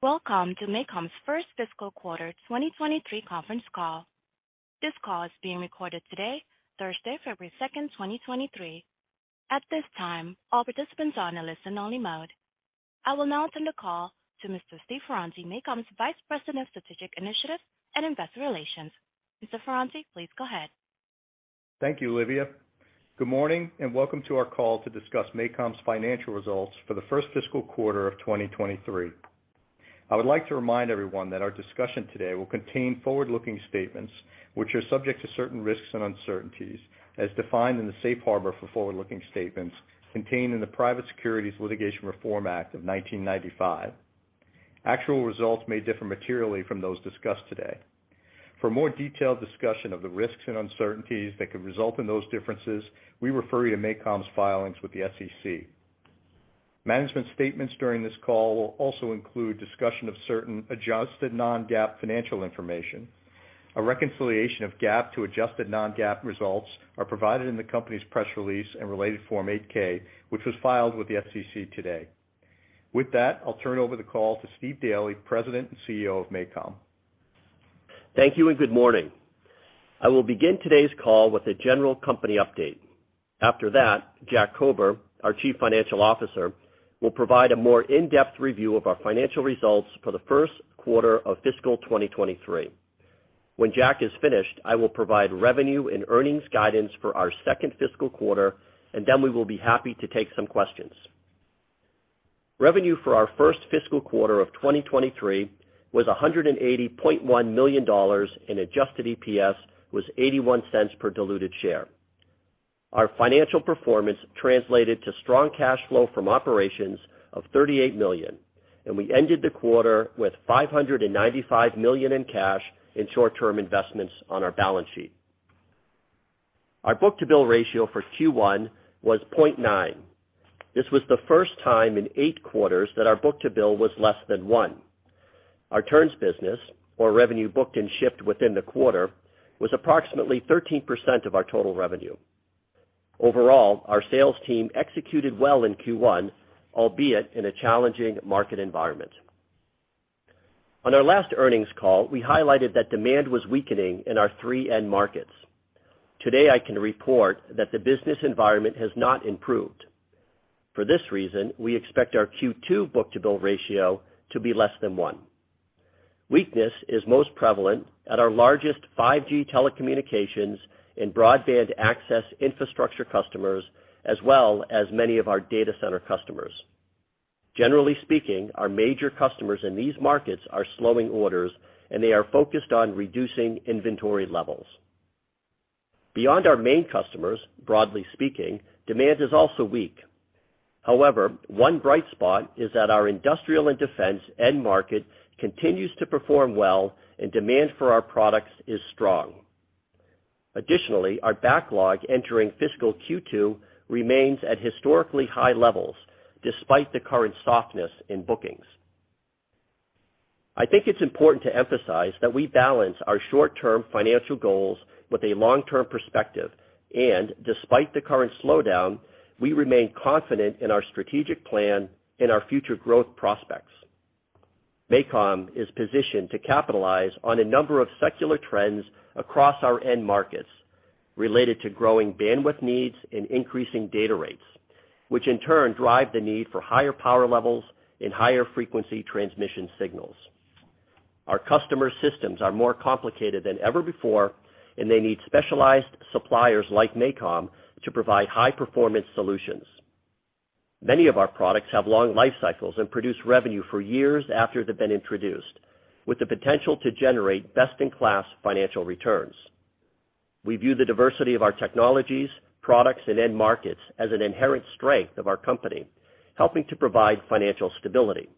Welcome to MACOM's first fiscal quarter 2023 conference call. This call is being recorded today, Thursday, February 2nd, 2023. At this time, all participants are on a listen only mode. I will now turn the call to Mr. Steve Ferranti, MACOM's Vice President of Strategic Initiatives and Investor Relations. Mr. Ferranti, please go ahead. Thank you, Olivia. Good morning and welcome to our call to discuss MACOM's financial results for the first fiscal quarter of 2023. I would like to remind everyone that our discussion today will contain forward-looking statements which are subject to certain risks and uncertainties as defined in the safe harbor for forward-looking statements contained in the Private Securities Litigation Reform Act of 1995. Actual results may differ materially from those discussed today. For more detailed discussion of the risks and uncertainties that could result in those differences, we refer you to MACOM's filings with the SEC. Management statements during this call will also include discussion of certain adjusted non-GAAP financial information. A reconciliation of GAAP to adjusted non-GAAP results are provided in the company's press release and related Form 8-K, which was filed with the SEC today. With that, I'll turn over the call to Steve Daly, President and CEO of MACOM. Thank you and good morning. I will begin today's call with a general company update. After that, Jack Kober, our Chief Financial Officer, will provide a more in-depth review of our financial results for the first quarter of fiscal 2023. When Jack is finished, I will provide revenue and earnings guidance for our second fiscal quarter, and then we will be happy to take some questions. Revenue for our first fiscal quarter of 2023 was $180.1 million, and adjusted EPS was $0.81 per diluted share. Our financial performance translated to strong cash flow from operations of $38 million, and we ended the quarter with $595 million in cash and short-term investments on our balance sheet. Our book-to-bill ratio for Q1 was 0.9. This was the first time in eight quarters that our book-to-bill was less than one. Our turns business or revenue booked and shipped within the quarter was approximately 13% of our total revenue. Overall, our sales team executed well in Q1, albeit in a challenging market environment. On our last earnings call, we highlighted that demand was weakening in our three end markets. Today, I can report that the business environment has not improved. For this reason, we expect our Q2 book-to-bill ratio to be less than one. Weakness is most prevalent at our largest 5G telecommunications and broadband access infrastructure customers, as well as many of our data center customers. Generally speaking, our major customers in these markets are slowing orders, and they are focused on reducing inventory levels. Beyond our main customers, broadly speaking, demand is also weak. However, one bright spot is that our industrial and defense end market continues to perform well, and demand for our products is strong. Additionally, our backlog entering fiscal Q2 remains at historically high levels despite the current softness in bookings. I think it's important to emphasize that we balance our short-term financial goals with a long-term perspective. Despite the current slowdown, we remain confident in our strategic plan and our future growth prospects. MACOM is positioned to capitalize on a number of secular trends across our end markets related to growing bandwidth needs and increasing data rates, which in turn drive the need for higher power levels and higher frequency transmission signals. Our customer systems are more complicated than ever before. They need specialized suppliers like MACOM to provide high-performance solutions. Many of our products have long life cycles and produce revenue for years after they've been introduced with the potential to generate best-in-class financial returns. We view the diversity of our technologies, products, and end markets as an inherent strength of our company, helping to provide financial stability.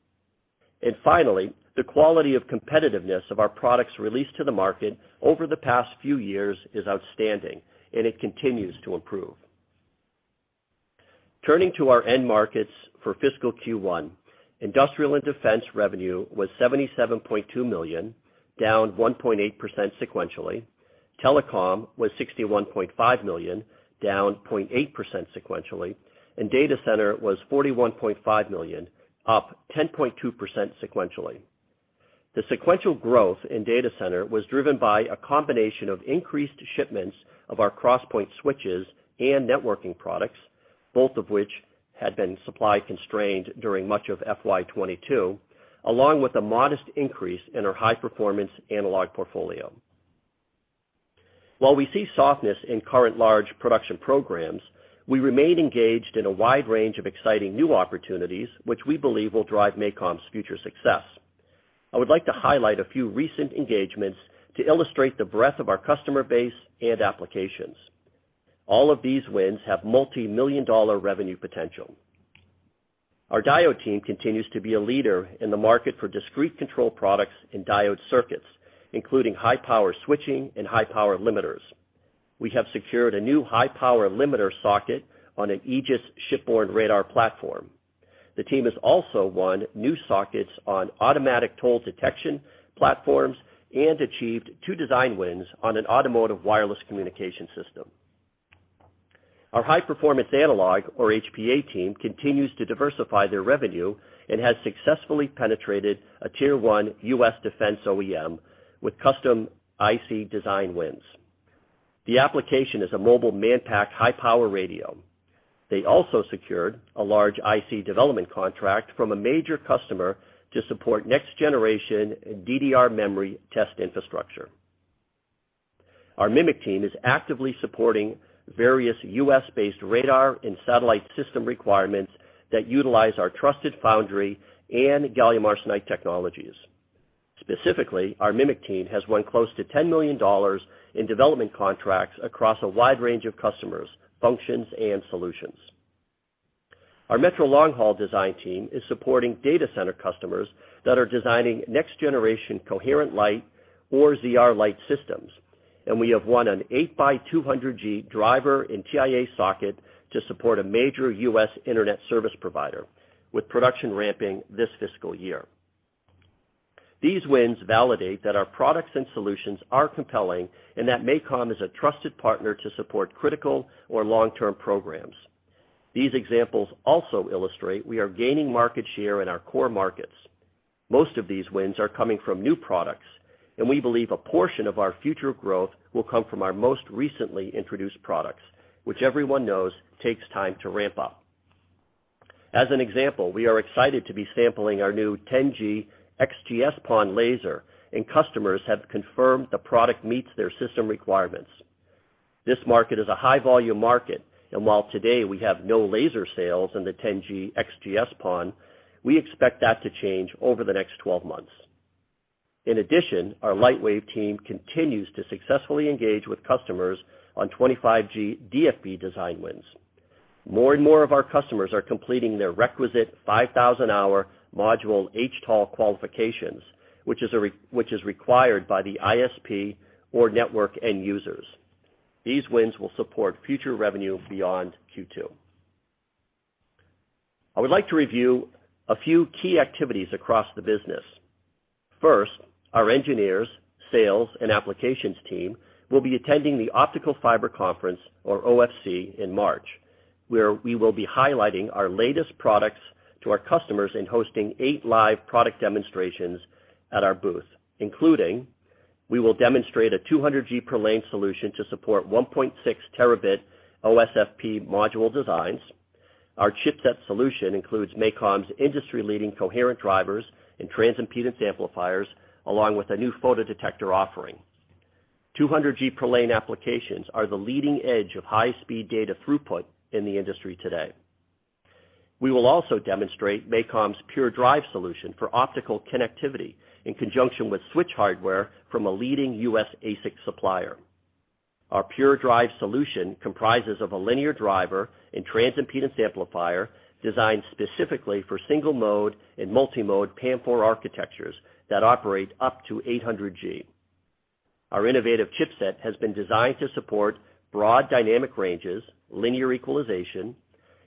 Finally, the quality of competitiveness of our products released to the market over the past few years is outstanding, and it continues to improve. Turning to our end markets for fiscal Q1, industrial and defense revenue was $77.2 million, down 1.8% sequentially. Telecom was $61.5 million, down 0.8% sequentially, and data center was $41.5 million, up 10.2% sequentially. The sequential growth in data center was driven by a combination of increased shipments of our crosspoint switches and networking products, both of which had been supply constrained during much of FY 2022, along with a modest increase in our high-performance analog portfolio. While we see softness in current large production programs, we remain engaged in a wide range of exciting new opportunities which we believe will drive MACOM's future success. I would like to highlight a few recent engagements to illustrate the breadth of our customer base and applications. All of these wins have multi-million dollar revenue potential. Our diode team continues to be a leader in the market for discrete control products and diode circuits, including high-power switching and high-power limiters. We have secured a new high-power limiter socket on an Aegis shipboard radar platform. The team has also won new sockets on automatic toll detection platforms and achieved two design wins on an automotive wireless communication system. Our high performance analog or HPA team continues to diversify their revenue and has successfully penetrated a tier one U.S. defense OEM with custom IC design wins. The application is a mobile manpack high power radio. They also secured a large IC development contract from a major customer to support next generation DDR memory test infrastructure. Our MMIC team is actively supporting various U.S.-based radar and satellite system requirements that utilize our trusted foundry and gallium arsenide technologies. Specifically, our MMIC team has won close to $10 million in development contracts across a wide range of customers, functions and solutions. Our metro long haul design team is supporting data center customers that are designing next generation coherent-lite or ZR light systems, and we have won an 8x 200G driver in TIA socket to support a major U.S. internet service provider with production ramping this fiscal year. These wins validate that our products and solutions are compelling and that MACOM is a trusted partner to support critical or long-term programs. These examples also illustrate we are gaining market share in our core markets. Most of these wins are coming from new products, and we believe a portion of our future growth will come from our most recently introduced products, which everyone knows takes time to ramp up. As an example, we are excited to be sampling our new 10G XGS-PON laser and customers have confirmed the product meets their system requirements. This market is a high volume market and while today we have no laser sales in the 10G XGS-PON, we expect that to change over the next 12 months. In addition, our Lightwave team continues to successfully engage with customers on 25G DFB design wins. More and more of our customers are completing their requisite 5,000-hour module HTOL qualifications, which is required by the ISP or network end users. These wins will support future revenue beyond Q2. I would like to review a few key activities across the business. First, our engineers, sales and applications team will be attending the Optical Fiber Communication Conference and Exhibition or OFC in March, where we will be highlighting our latest products to our customers and hosting eight live product demonstrations at our booth. Including we will demonstrate a 200 G per lane solution to support 1.6 terabit OSFP module designs. Our chipset solution includes MACOM's industry-leading coherent drivers and transimpedance amplifiers, along with a new photodetector offering. 200 G per lane applications are the leading edge of high speed data throughput in the industry today. We will also demonstrate MACOM's PURE DRIVE solution for optical connectivity in conjunction with switch hardware from a leading US ASIC supplier. Our MACOM PURE DRIVE solution comprises of a linear driver and transimpedance amplifier designed specifically for single mode and multi-mode PAM4 architectures that operate up to 800 G. Our innovative chipset has been designed to support broad dynamic ranges, linear equalization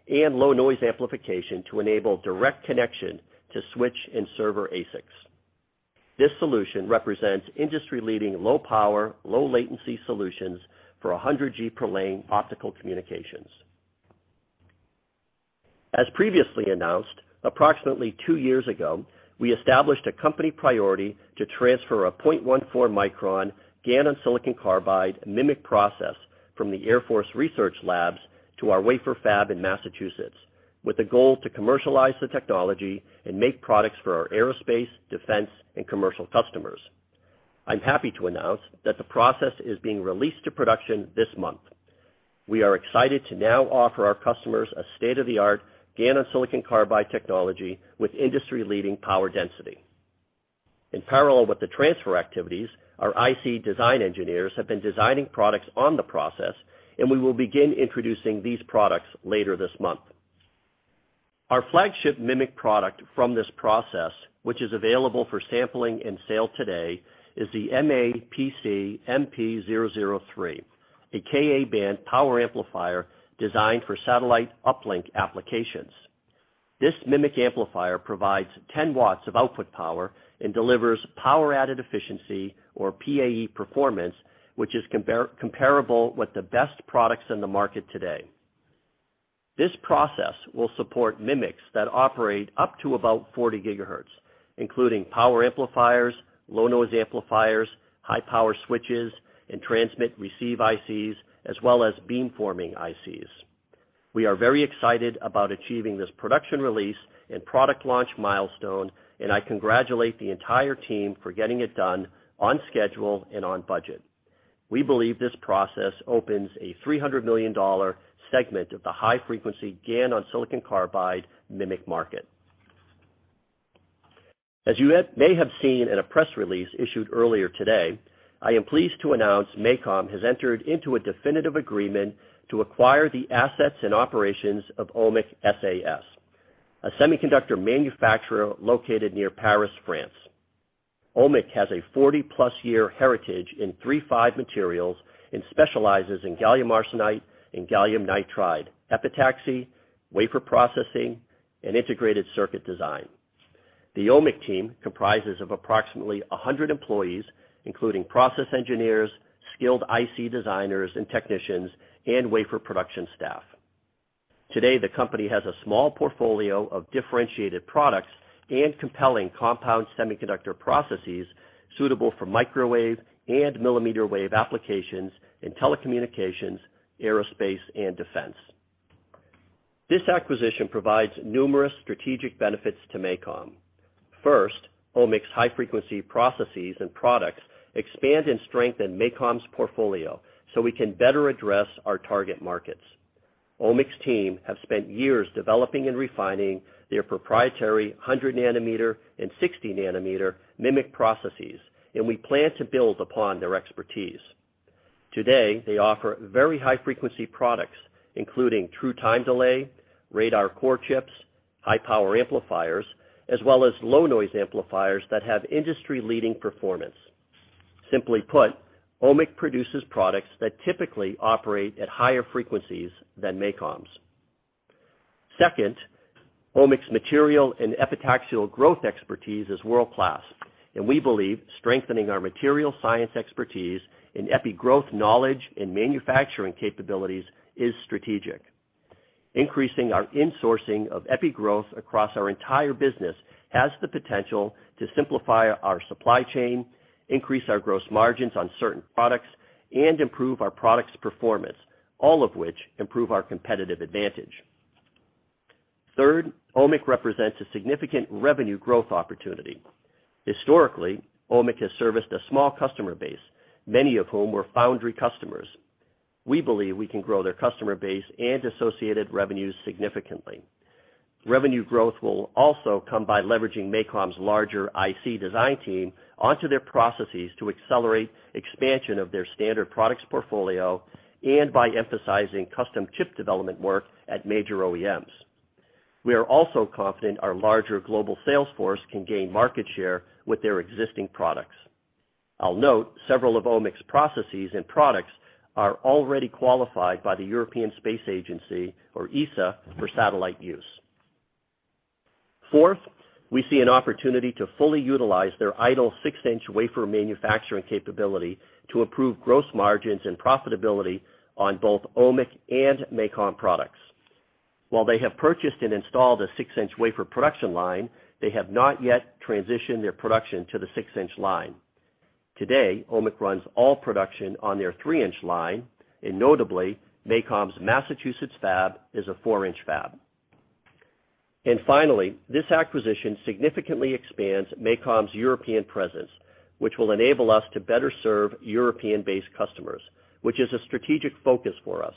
and low noise amplification to enable direct connection to switch and server ASICs. This solution represents industry-leading low power, low latency solutions for 100 G per lane optical communications. As previously announced, approximately two years ago, we established a company priority to transfer a 0.14 micron GaN on silicon carbide MMIC process from the Air Force Research Labs to our wafer fab in Massachusetts, with a goal to commercialize the technology and make products for our aerospace, defense and commercial customers. I'm happy to announce that the process is being released to production this month. We are excited to now offer our customers a state-of-the-art GaN on silicon carbide technology with industry-leading power density. In parallel with the transfer activities, our IC design engineers have been designing products on the process. We will begin introducing these products later this month. Our flagship MMIC product from this process, which is available for sampling and sale today, is the MAPCMP003, a Ka-band power amplifier designed for satellite uplink applications. This MMIC amplifier provides 10 watts of output power and delivers power added efficiency or PAE performance, which is comparable with the best products in the market today. This process will support MMICs that operate up to about 40 gigahertz, including power amplifiers, low noise amplifiers, high power switches and transmit receive ICs as well as beamforming ICs. We are very excited about achieving this production release and product launch milestone. I congratulate the entire team for getting it done on schedule and on budget. We believe this process opens a $300 million segment of the high frequency GaN on silicon carbide MMIC market. As you may have seen in a press release issued earlier today, I am pleased to announce MACOM has entered into a definitive agreement to acquire the assets and operations of OMMIC SAS, a semiconductor manufacturer located near Paris, France. OMMIC has a 40-plus year heritage in III-V materials and specializes in gallium arsenide and gallium nitride, epitaxy, wafer processing and integrated circuit design. The OMMIC team comprises of approximately 100 employees, including process engineers, skilled IC designers and technicians, and wafer production staff. Today, the company has a small portfolio of differentiated products and compelling compound semiconductor processes suitable for microwave and millimeter wave applications in telecommunications, aerospace, and defense. This acquisition provides numerous strategic benefits to MACOM. First, OMMIC's high-frequency processes and products expand and strengthen MACOM's portfolio, so we can better address our target markets. OMMIC's team have spent years developing and refining their proprietary 100 nanometer and 60 nanometer MMIC processes, and we plan to build upon their expertise. Today, they offer very high-frequency products, including true time delay, radar core chips, high power amplifiers, as well as low noise amplifiers that have industry-leading performance. Simply put, OMMIC produces products that typically operate at higher frequencies than MACOM's. Second, OMMIC's material and epitaxial growth expertise is world-class, and we believe strengthening our material science expertise in epi growth knowledge and manufacturing capabilities is strategic. Increasing our insourcing of epi growth across our entire business has the potential to simplify our supply chain, increase our gross margins on certain products, and improve our products' performance, all of which improve our competitive advantage. Third, OMMIC represents a significant revenue growth opportunity. Historically, OMMIC has serviced a small customer base, many of whom were foundry customers. We believe we can grow their customer base and associated revenues significantly. Revenue growth will also come by leveraging MACOM's larger IC design team onto their processes to accelerate expansion of their standard products portfolio and by emphasizing custom chip development work at major OEMs. We are also confident our larger global sales force can gain market share with their existing products. I'll note several of OMMIC's processes and products are already qualified by the European Space Agency, or ESA, for satellite use. Fourth, we see an opportunity to fully utilize their idle 6-inch wafer manufacturing capability to improve gross margins and profitability on both OMMIC and MACOM products. While they have purchased and installed a 6-inch wafer production line, they have not yet transitioned their production to the 6-inch line. Today, OMMIC runs all production on their 3-inch line, notably, MACOM's Massachusetts fab is a 4-inch fab. Finally, this acquisition significantly expands MACOM's European presence, which will enable us to better serve European-based customers, which is a strategic focus for us.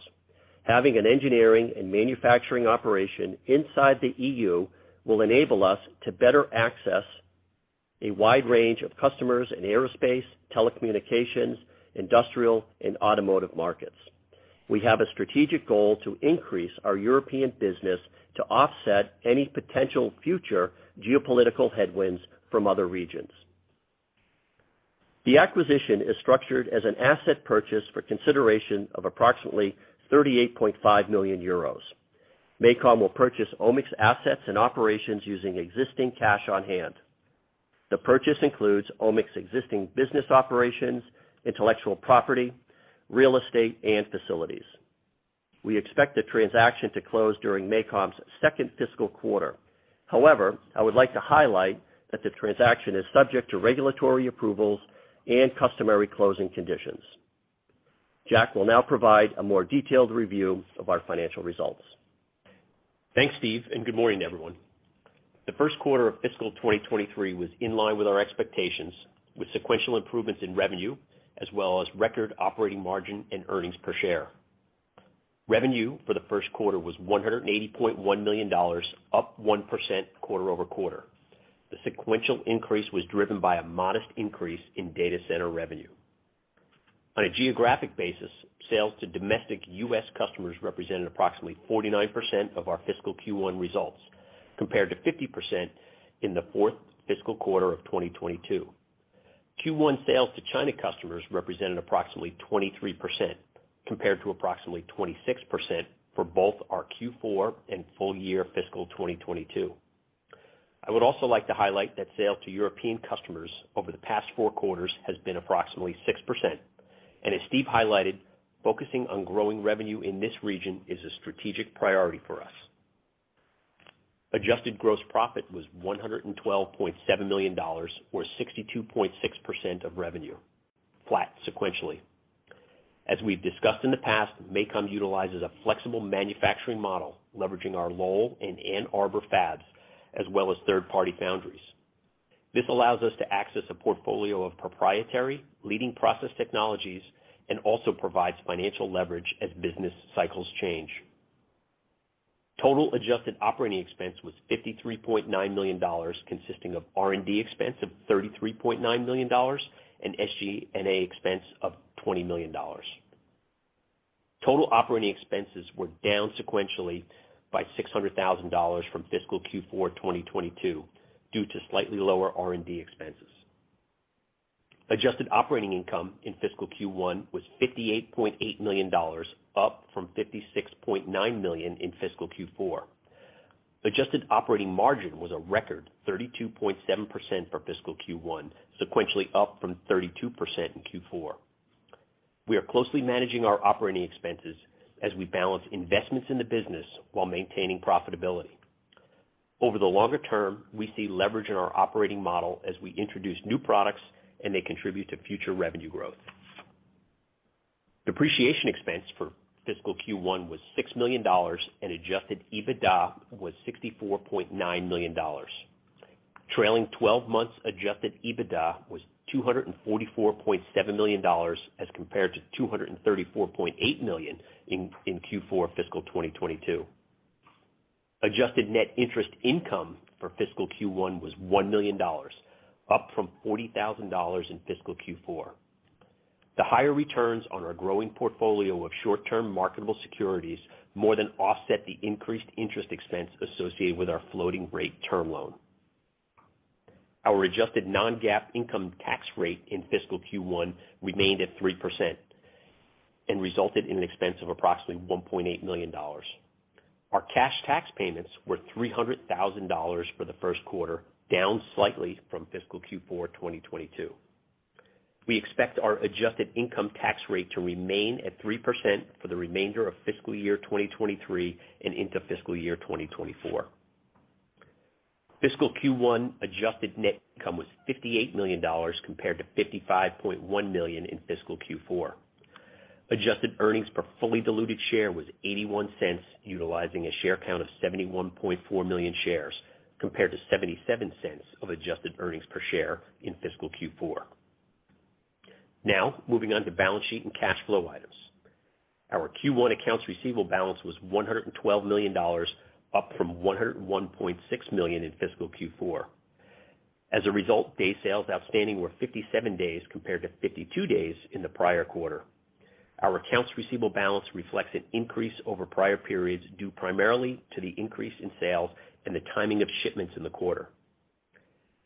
Having an engineering and manufacturing operation inside the EU will enable us to better access a wide range of customers in aerospace, telecommunications, industrial, and automotive markets. We have a strategic goal to increase our European business to offset any potential future geopolitical headwinds from other regions. The acquisition is structured as an asset purchase for consideration of approximately 38.5 million euros. MACOM will purchase OMMIC's assets and operations using existing cash on hand. The purchase includes OMMIC's existing business operations, intellectual property, real estate, and facilities. We expect the transaction to close during MACOM's second fiscal quarter. I would like to highlight that the transaction is subject to regulatory approvals and customary closing conditions. Jack will now provide a more detailed review of our financial results. Thanks, Steve, and good morning to everyone. The first quarter of fiscal 2023 was in line with our expectations, with sequential improvements in revenue as well as record operating margin and earnings per share. Revenue for the first quarter was $180.1 million, up 1% quarter-over-quarter. The sequential increase was driven by a modest increase in data center revenue. On a geographic basis, sales to domestic U.S. customers represented approximately 49% of our fiscal Q1 results, compared to 50% in the fourth fiscal quarter of 2022. Q1 sales to China customers represented approximately 23%, compared to approximately 26% for both our Q4 and full year fiscal 2022. I would also like to highlight that sale to European customers over the past four quarters has been approximately 6%. As Steve highlighted, focusing on growing revenue in this region is a strategic priority for us. Adjusted gross profit was $112.7 million or 62.6% of revenue, flat sequentially. As we've discussed in the past, MACOM utilizes a flexible manufacturing model, leveraging our Lowell and Ann Arbor fabs, as well as third-party foundries. This allows us to access a portfolio of proprietary leading process technologies and also provides financial leverage as business cycles change. Total adjusted operating expense was $53.9 million, consisting of R&D expense of $33.9 million and SG&A expense of $20 million. Total operating expenses were down sequentially by $600,000 from fiscal Q4 2022 due to slightly lower R&D expenses. Adjusted operating income in fiscal Q1 was $58.8 million, up from $56.9 million in fiscal Q4. Adjusted operating margin was a record 32.7% for fiscal Q1, sequentially up from 32% in Q4. We are closely managing our operating expenses as we balance investments in the business while maintaining profitability. Over the longer term, we see leverage in our operating model as we introduce new products and they contribute to future revenue growth. Depreciation expense for fiscal Q1 was $6 million, and adjusted EBITDA was $64.9 million. Trailing twelve months adjusted EBITDA was $244.7 million as compared to $234.8 million in Q4 fiscal 2022. Adjusted net interest income for fiscal Q1 was $1 million, up from $40,000 in fiscal Q4. The higher returns on our growing portfolio of short-term marketable securities more than offset the increased interest expense associated with our floating rate term loan. Our adjusted non-GAAP income tax rate in fiscal Q1 remained at 3% and resulted in an expense of approximately $1.8 million. Our cash tax payments were $300,000 for the first quarter, down slightly from fiscal Q4 2022. We expect our adjusted income tax rate to remain at 3% for the remainder of fiscal year 2023 and into fiscal year 2024. Fiscal Q1 adjusted net income was $58 million, compared to $55.1 million in fiscal Q4. Adjusted earnings per fully diluted share was $0.81, utilizing a share count of 71.4 million shares, compared to $0.77 of adjusted earnings per share in fiscal Q4. Moving on to balance sheet and cash flow items. Our Q1 accounts receivable balance was $112 million, up from $101.6 million in fiscal Q4. Day sales outstanding were 57 days, compared to 52 days in the prior quarter. Our accounts receivable balance reflects an increase over prior periods, due primarily to the increase in sales and the timing of shipments in the quarter.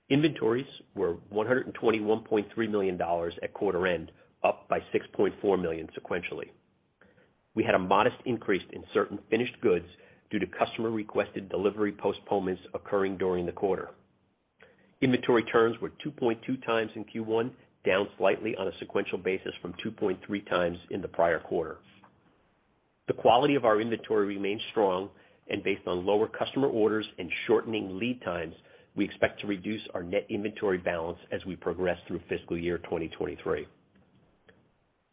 Inventories were $121.3 million at quarter end, up by $6.4 million sequentially. We had a modest increase in certain finished goods due to customer-requested delivery postponements occurring during the quarter. Inventory turns were 2.2x in Q1, down slightly on a sequential basis from 2.3x in the prior quarter. The quality of our inventory remains strong, and based on lower customer orders and shortening lead times, we expect to reduce our net inventory balance as we progress through fiscal year 2023.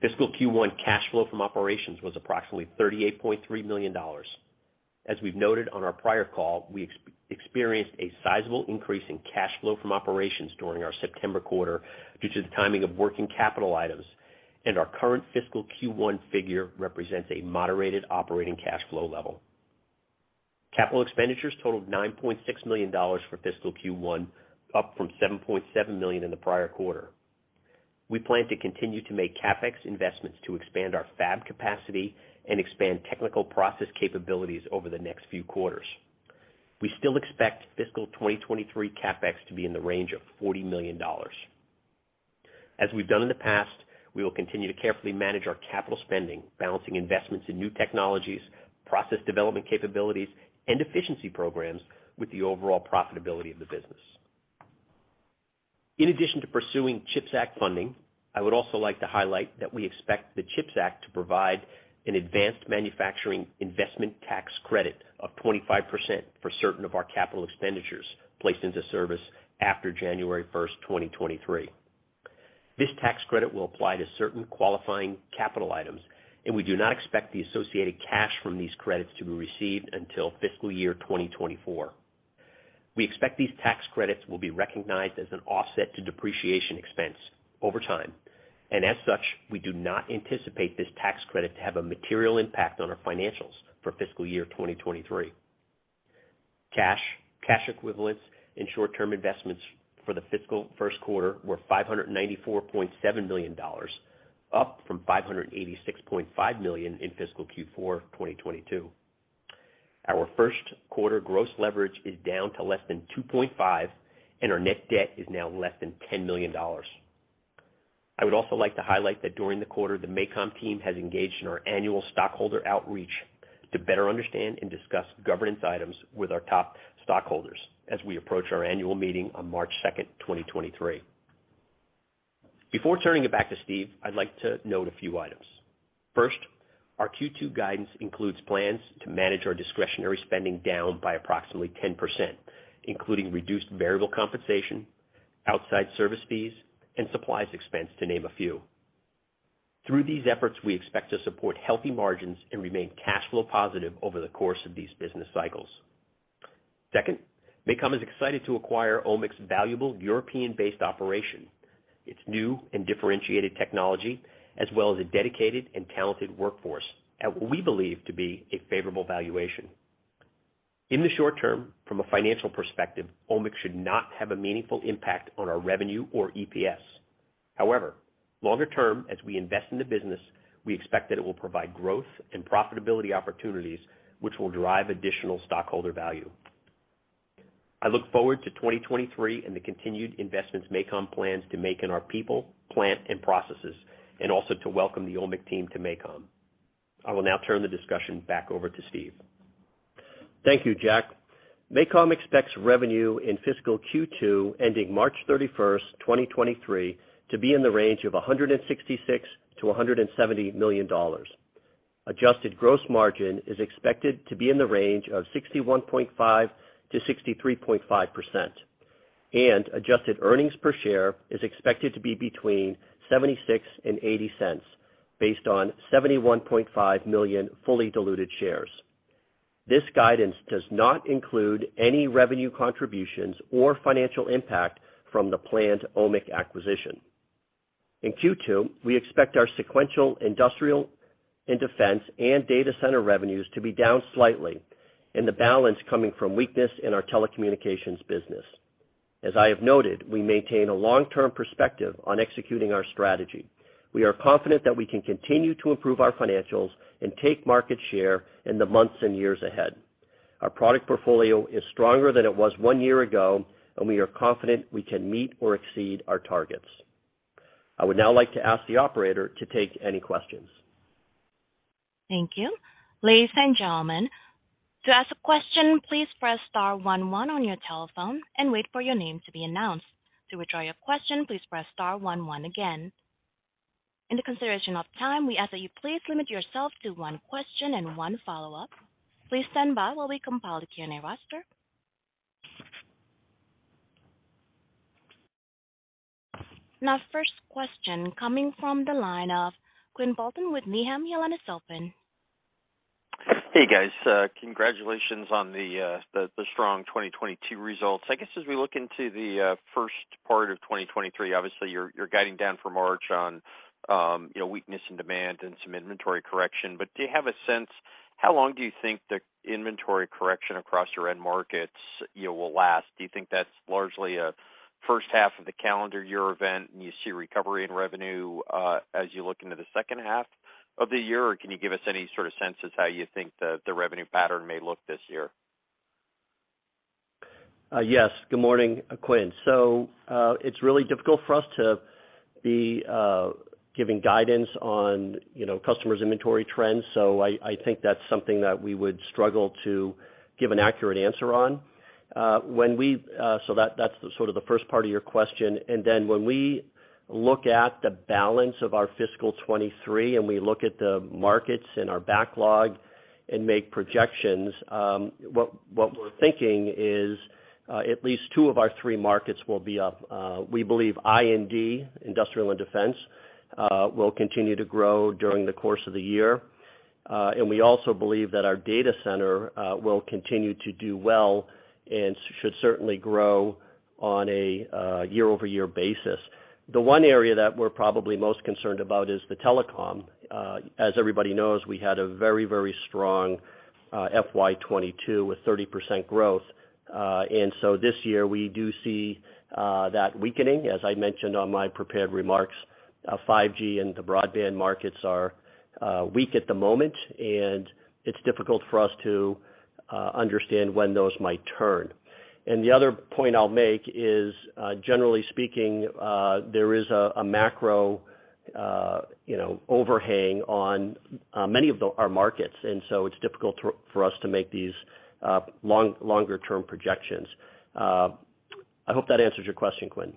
Fiscal Q1 cash flow from operations was approximately $38.3 million. As we've noted on our prior call, we experienced a sizable increase in cash flow from operations during our September quarter due to the timing of working capital items, and our current fiscal Q1 figure represents a moderated operating cash flow level. Capital expenditures totaled $9.6 million for fiscal Q1, up from $7.7 million in the prior quarter. We plan to continue to make CapEx investments to expand our fab capacity and expand technical process capabilities over the next few quarters. We still expect fiscal 2023 CapEx to be in the range of $40 million. As we've done in the past, we will continue to carefully manage our capital spending, balancing investments in new technologies, process development capabilities, and efficiency programs with the overall profitability of the business. In addition to pursuing CHIPS Act funding, I would also like to highlight that we expect the CHIPS Act to provide an advanced manufacturing investment tax credit of 25% for certain of our capital expenditures placed into service after January 1st, 2023. This tax credit will apply to certain qualifying capital items, we do not expect the associated cash from these credits to be received until fiscal year 2024. We expect these tax credits will be recognized as an offset to depreciation expense over time, and as such, we do not anticipate this tax credit to have a material impact on our financials for fiscal year 2023. Cash, cash equivalents, and short-term investments for the fiscal first quarter were $594.7 million, up from $586.5 million in fiscal Q4 2022. Our first quarter gross leverage is down to less than 2.5, and our net debt is now less than $10 million. I would also like to highlight that during the quarter, the MACOM team has engaged in our annual stockholder outreach to better understand and discuss governance items with our top stockholders as we approach our annual meeting on 2nd, 2023. Before turning it back to Steve, I'd like to note a few items. Our Q2 guidance includes plans to manage our discretionary spending down by approximately 10%, including reduced variable compensation, outside service fees, and supplies expense, to name a few. Through these efforts, we expect to support healthy margins and remain cash flow positive over the course of these business cycles. MACOM is excited to acquire OMMIC's valuable European-based operation, its new and differentiated technology, as well as a dedicated and talented workforce at what we believe to be a favorable valuation. In the short term, from a financial perspective, OMMIC should not have a meaningful impact on our revenue or EPS. However, longer term, as we invest in the business, we expect that it will provide growth and profitability opportunities which will drive additional stockholder value. I look forward to 2023 and the continued investments MACOM plans to make in our people, plant, and processes, and also to welcome the OMMIC team to MACOM. I will now turn the discussion back over to Steve. Thank you, Jack. MACOM expects revenue in fiscal Q2, ending March 31st, 2023, to be in the range of $166 million-$170 million. Adjusted gross margin is expected to be in the range of 61.5%-63.5%. Adjusted earnings per share is expected to be between $0.76 and $0.80 based on 71.5 million fully diluted shares. This guidance does not include any revenue contributions or financial impact from the planned OMMIC acquisition. In Q2, we expect our sequential industrial and defense and data center revenues to be down slightly and the balance coming from weakness in our telecommunications business. As I have noted, we maintain a long-term perspective on executing our strategy. We are confident that we can continue to improve our financials and take market share in the months and years ahead. Our product portfolio is stronger than it was one year ago. We are confident we can meet or exceed our targets. I would now like to ask the operator to take any questions. Thank you. Ladies and gentlemen, to ask a question, please press star one one on your telephone and wait for your name to be announced. To withdraw your question, please press star one one again. In the consideration of time, we ask that you please limit yourself to one question and one follow-up. Please stand by while we compile the Q&A roster. First question coming from the line of Quinn Bolton with Needham & Company. Hey, guys. Congratulations on the strong 2022 results. I guess, as we look into the first part of 2023, obviously you're guiding down for March on, you know, weakness in demand and some inventory correction. Do you have a sense how long do you think the inventory correction across your end markets, you know, will last? Do you think that's largely a first half of the calendar year event, and you see recovery in revenue, as you look into the second half of the year? Can you give us any sort of sense as how you think the revenue pattern may look this year? Yes. Good morning, Quinn. It's really difficult for us to be giving guidance on, you know, customers' inventory trends. I think that's something that we would struggle to give an accurate answer on. That's the sort of the first part of your question. When we look at the balance of our fiscal 2023, and we look at the markets and our backlog and make projections, what we're thinking is, at least two of our three markets will be up. We believe I+D, Industrial and Defense, will continue to grow during the course of the year. We also believe that our data center will continue to do well and should certainly grow on a year-over-year basis. The one area that we're probably most concerned about is the telecom. Uh, as everybody knows, we had a very, very strong, uh, FY twenty-two with thirty percent growth. Uh, and so this year, we do see, uh, that weakening. As I mentioned on my prepared remarks, uh, 5G and the broadband markets are, uh, weak at the moment, and it's difficult for us to, uh, understand when those might turn. And the other point I'll make is, uh, generally speaking, uh, there is a, a macro, uh, you know, overhang on, uh, many of the-- our markets, and so it's difficult for, for us to make these, uh, long, longer term projections. Uh, I hope that answers your question, Quinn.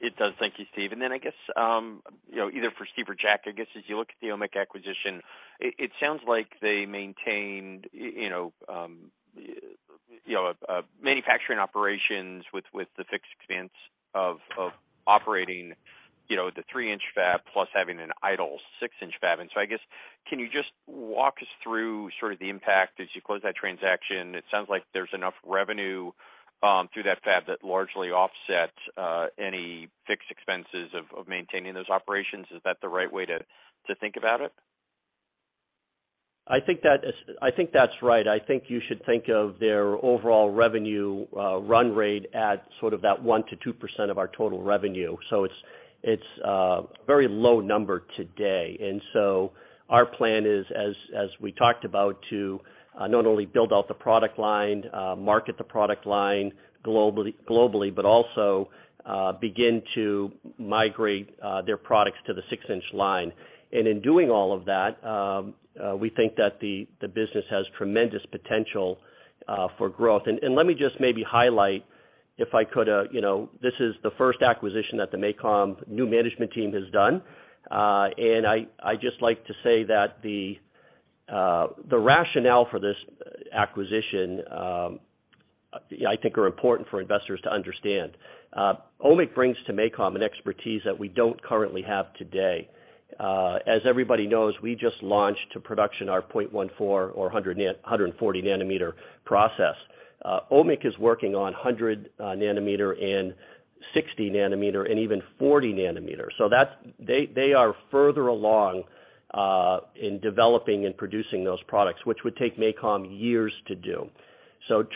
It does. Thank you, Steve. I guess, you know, either for Steve or Jack Kober, I guess as you look at the OMMIC acquisition, it sounds like they maintained, you know, manufacturing operations with the fixed expense of operating, you know, the three-inch fab plus having an idle six-inch fab. I guess, can you just walk us through sort of the impact as you close that transaction? It sounds like there's enough revenue through that fab that largely offsets any fixed expenses of maintaining those operations. Is that the right way to think about it? I think that's right. I think you should think of their overall revenue run rate at sort of that 1%-2% of our total revenue. It's a very low number today. Our plan is, as we talked about, to not only build out the product line, market the product line globally, but also begin to migrate their products to the 6-inch line. In doing all of that, we think that the business has tremendous potential for growth. Let me just maybe highlight if I could, you know, this is the first acquisition that the MACOM new management team has done. I just like to say that the rationale for this acquisition, you know, I think are important for investors to understand. OMMIC brings to MACOM an expertise that we don't currently have today. As everybody knows, we just launched to production our 0.14 or 140 nm process. OMMIC is working on 100 nm and 60 nm and even 40 nm. They are further along in developing and producing those products, which would take MACOM years to do.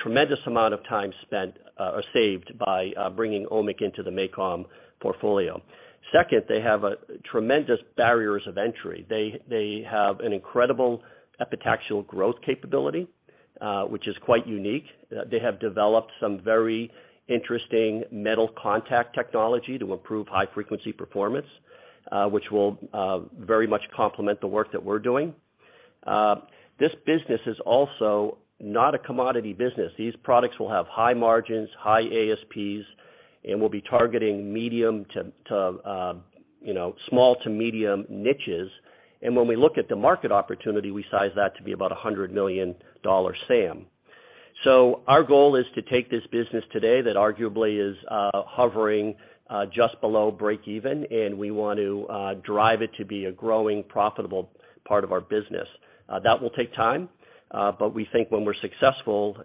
Tremendous amount of time spent or saved by bringing OMMIC into the MACOM portfolio. They have tremendous barriers of entry. They have an incredible epitaxial growth capability. Which is quite unique. They have developed some very interesting metal contact technology to improve high frequency performance, which will very much complement the work that we're doing. This business is also not a commodity business. These products will have high margins, high ASPs, and we'll be targeting medium to, you know, small to medium niches. When we look at the market opportunity, we size that to be about a $100 million SAM. Our goal is to take this business today that arguably is hovering just below break even, and we want to drive it to be a growing, profitable part of our business. That will take time, but we think when we're successful,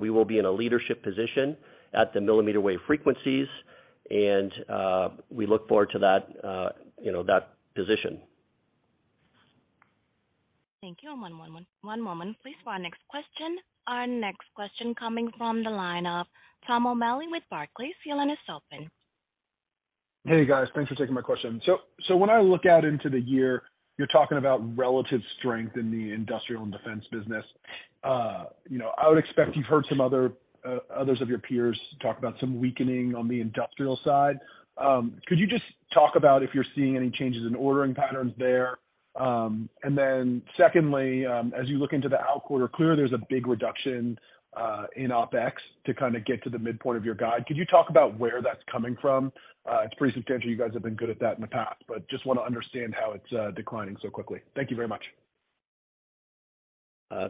we will be in a leadership position at the millimeter wave frequencies, and we look forward to that, you know, that position. Thank you. One moment, please, for our next question. Our next question coming from the line of Thomas O'Malley with Barclays. Your line is open. Hey, guys. Thanks for taking my question. When I look out into the year, you're talking about relative strength in the industrial and defense business. you know, I would expect you've heard some other, others of your peers talk about some weakening on the industrial side. Could you just talk about if you're seeing any changes in ordering patterns there? Secondly, as you look into the outquarter, clear there's a big reduction in OpEx to kind of get to the midpoint of your guide. Could you talk about where that's coming from? It's pretty substantial. You guys have been good at that in the past, but just wanna understand how it's declining so quickly. Thank you very much.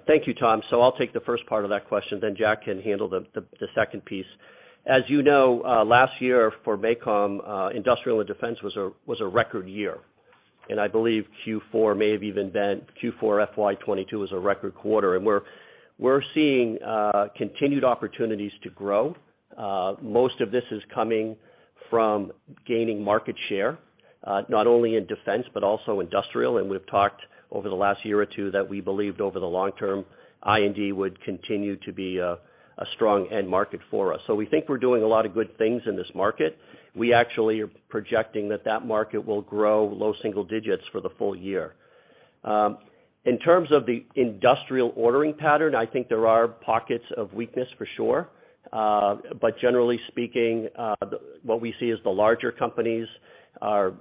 Thank you, Tom. I'll take the first part of that question, then Jack can handle the second piece. As you know, last year for MACOM, Industrial and Defense was a record year, and I believe Q4 may have even been Q4 FY 2022 was a record quarter. We're seeing continued opportunities to grow. Most of this is coming from gaining market share, not only in defense but also Industrial. We've talked over the last year or two that we believed over the long term, IND would continue to be a strong end market for us. We think we're doing a lot of good things in this market. We actually are projecting that that market will grow low single digits for the full year. In terms of the industrial ordering pattern, I think there are pockets of weakness for sure. But generally speaking, what we see is the larger companies are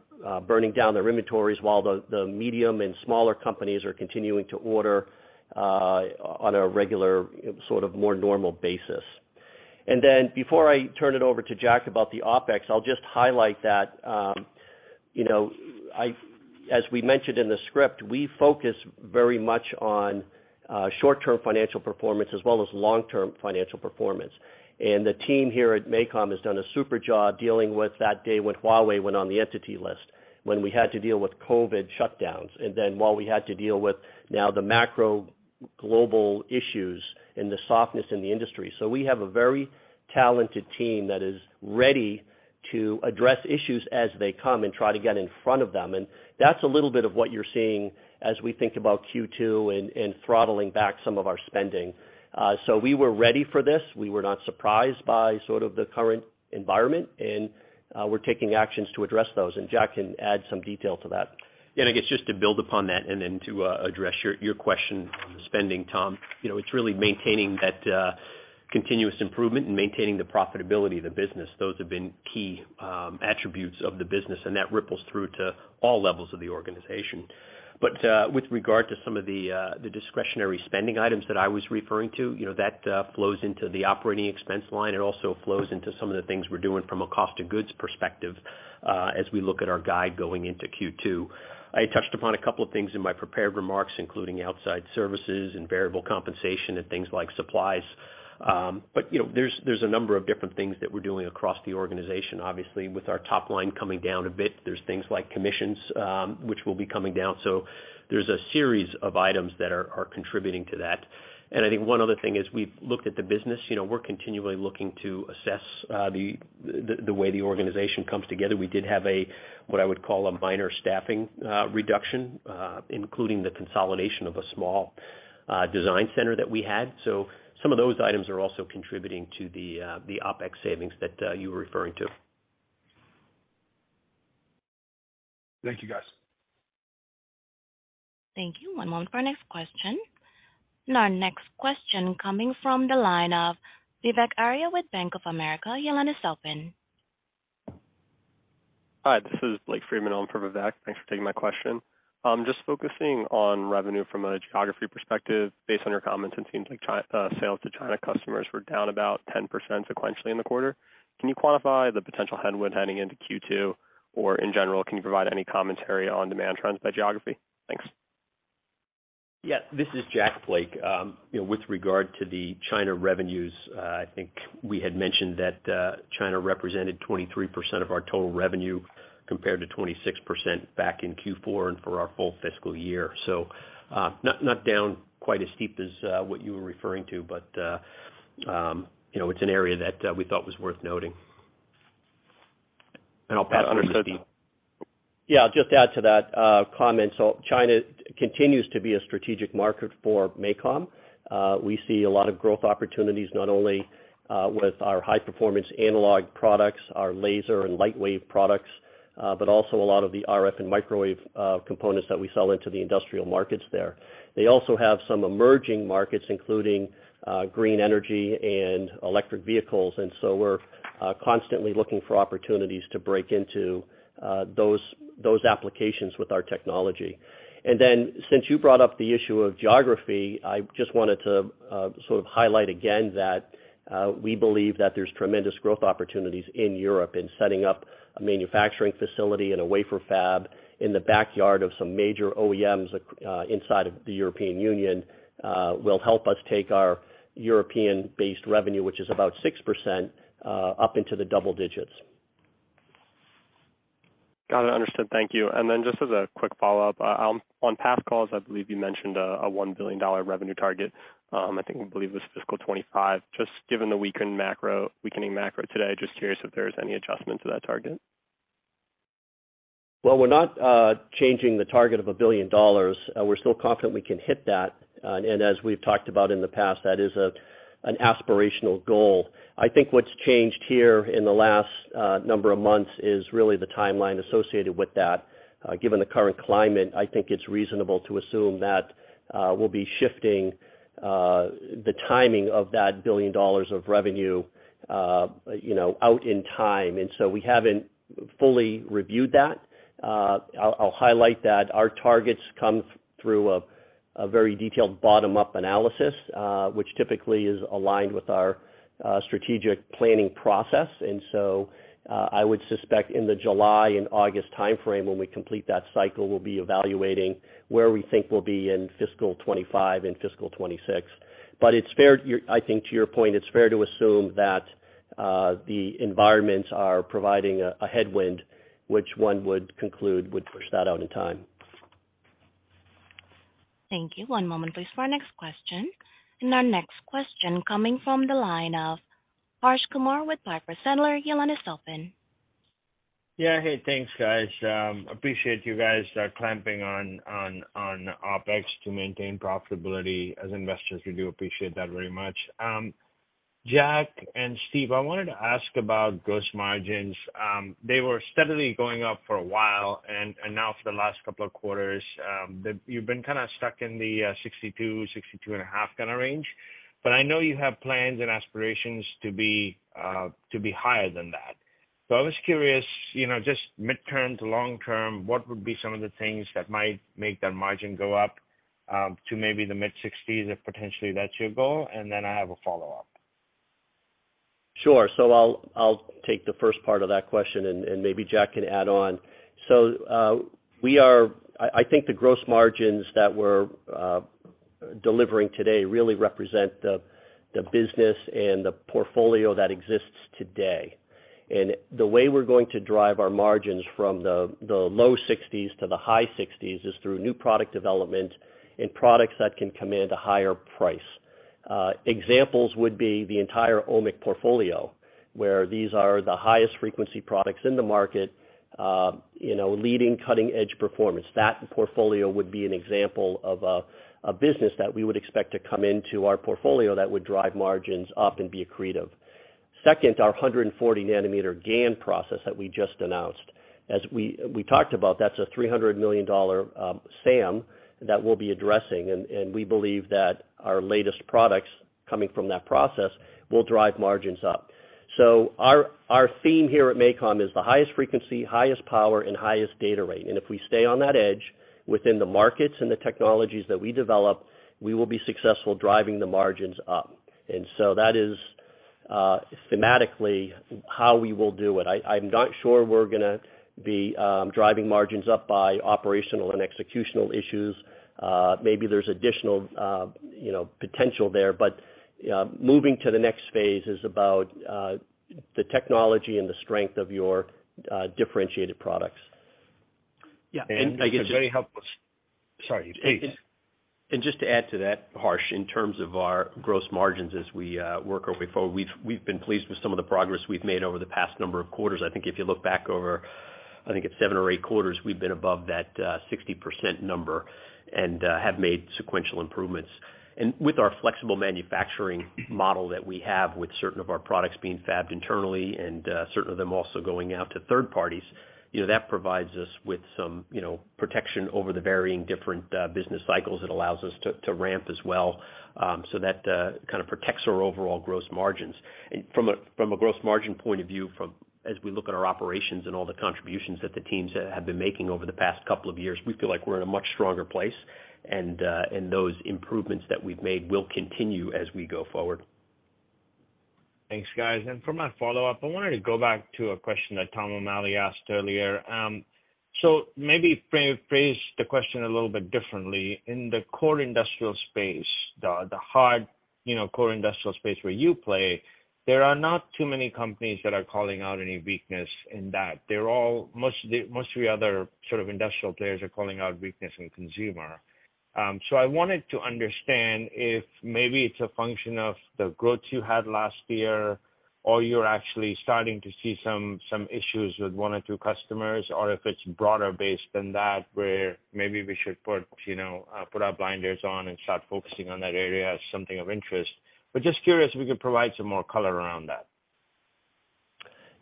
burning down their inventories while the medium and smaller companies are continuing to order on a regular, sort of more normal basis. Before I turn it over to Jack about the OpEx, I'll just highlight that, you know, as we mentioned in the script, we focus very much on short-term financial performance as well as long-term financial performance. The team here at MACOM has done a super job dealing with that day when Huawei went on the entity list, when we had to deal with COVID shutdowns, and then while we had to deal with now the macro global issues and the softness in the industry. We have a very talented team that is ready to address issues as they come and try to get in front of them. That's a little bit of what you're seeing as we think about Q2 and throttling back some of our spending. We were ready for this. We were not surprised by sort of the current environment, and we're taking actions to address those. Jack can add some detail to that. I guess just to build upon that and then to address your question on the spending, Tom. You know, it's really maintaining that continuous improvement and maintaining the profitability of the business. Those have been key attributes of the business, and that ripples through to all levels of the organization. With regard to some of the discretionary spending items that I was referring to, you know, that flows into the operating expense line. It also flows into some of the things we're doing from a cost of goods perspective, as we look at our guide going into Q2. I touched upon a couple of things in my prepared remarks, including outside services and variable compensation and things like supplies. You know, there's a number of different things that we're doing across the organization. Obviously, with our top line coming down a bit, there's things like commissions, which will be coming down. There's a series of items that are contributing to that. I think one other thing is we've looked at the business. You know, we're continually looking to assess the way the organization comes together. We did have a, what I would call a minor staffing reduction, including the consolidation of a small design center that we had. Some of those items are also contributing to the OpEx savings that you were referring to. Thank you, guys. Thank you. One moment for our next question. Our next question coming from the line of Vivek Arya with Bank of America. Your line is open. Hi, this is Blake Friedman on for Vivek. Thanks for taking my question. Just focusing on revenue from a geography perspective, based on your comments, it seems like sales to China customers were down about 10% sequentially in the quarter. Can you quantify the potential headwind heading into Q2? In general, can you provide any commentary on demand trends by geography? Thanks. Yeah. This is Jack, Blake. You know, with regard to the China revenues, I think we had mentioned that China represented 23% of our total revenue, compared to 26% back in Q4 and for our full fiscal year. Not down quite as steep as what you were referring to, but, you know, it's an area that we thought was worth noting. I'll pass it on to Steve. Yeah, I'll just add to that comment. China continues to be a strategic market for MACOM. We see a lot of growth opportunities, not only with our high-performance analog products, our laser and Lightwave products, but also a lot of the RF and microwave components that we sell into the industrial markets there. They also have some emerging markets, including green energy and electric vehicles. We're constantly looking for opportunities to break into those applications with our technology. Since you brought up the issue of geography, I just wanted to sort of highlight again that we believe that there's tremendous growth opportunities in Europe. Setting up a manufacturing facility and a wafer fab in the backyard of some major OEMs inside of the European Union, will help us take our European-based revenue, which is about 6%, up into the double digits. Got it. Understood. Thank you. Just as a quick follow-up. on past calls, I believe you mentioned, a $1 billion revenue target. I believe it was fiscal 2025. Just given the weakening macro today, just curious if there's any adjustment to that target. Well, we're not changing the target of $1 billion. We're still confident we can hit that. As we've talked about in the past, that is an aspirational goal. I think what's changed here in the last number of months is really the timeline associated with that. Given the current climate, I think it's reasonable to assume that we'll be shifting the timing of that $1 billion of revenue, you know, out in time. We haven't fully reviewed that. I'll highlight that our targets come through a very detailed bottom-up analysis, which typically is aligned with our strategic planning process. I would suspect in the July and August timeframe, when we complete that cycle, we'll be evaluating where we think we'll be in fiscal 2025 and fiscal 2026. It's fair, I think to your point, it's fair to assume that the environments are providing a headwind, which one would conclude would push that out in time. Thank you. One moment please for our next question. Our next question coming from the line of Harsh Kumar with Piper Sandler. Your line is open. Yeah. Hey, thanks, guys. Appreciate you guys clamping on OpEx to maintain profitability. As investors, we do appreciate that very much. Jack and Steve, I wanted to ask about gross margins. They were steadily going up for a while, and now for the last couple of quarters, you've been kind of stuck in the 62%, 62.5% kind of range. I know you have plans and aspirations to be higher than that. I was curious, you know, just midterm to long term, what would be some of the things that might make that margin go up to maybe the mid-60s%, if potentially that's your goal? I have a follow-up. Sure. I'll take the first part of that question and maybe Jack can add on. I think the gross margins that we're delivering today really represent the business and the portfolio that exists today. The way we're going to drive our margins from the low 60s to the high 60s is through new product development and products that can command a higher price. Examples would be the entire OMMIC portfolio, where these are the highest frequency products in the market, you know, leading cutting-edge performance. That portfolio would be an example of a business that we would expect to come into our portfolio that would drive margins up and be accretive. Second, our 140 nm GaN process that we just announced. As we talked about, that's a $300 million SAM that we'll be addressing, and we believe that our latest products coming from that process will drive margins up. Our theme here at MACOM is the highest frequency, highest power, and highest data rate. If we stay on that edge within the markets and the technologies that we develop, we will be successful driving the margins up. That is thematically how we will do it. I'm not sure we're gonna be driving margins up by operational and executional issues. Maybe there's additional, you know, potential there. Moving to the next phase is about the technology and the strength of your differentiated products. Yeah, I guess. That's very helpful. Sorry, please. Just to add to that, Harsh, in terms of our gross margins as we work our way forward, we've been pleased with some of the progress we've made over the past number of quarters. I think if you look back over, I think it's seven or eight quarters, we've been above that 60% number and have made sequential improvements. With our flexible manufacturing model that we have with certain of our products being fabbed internally and certain of them also going out to third parties, you know, that provides us with some, you know, protection over the varying different business cycles. It allows us to ramp as well, so that kind of protects our overall gross margins. From a gross margin point of view, as we look at our operations and all the contributions that the teams have been making over the past couple of years, we feel like we're in a much stronger place, and those improvements that we've made will continue as we go forward. Thanks, guys. For my follow-up, I wanted to go back to a question that Thomas O'Malley asked earlier. Maybe rephrase the question a little bit differently. In the core industrial space, the hard, you know, core industrial space where you play, there are not too many companies that are calling out any weakness in that. They're all, most of the other sort of industrial players are calling out weakness in consumer. I wanted to understand if maybe it's a function of the growth you had last year, or you're actually starting to see some issues with one or two customers, or if it's broader based than that, where maybe we should put, you know, put our blinders on and start focusing on that area as something of interest. Just curious if you could provide some more color around that?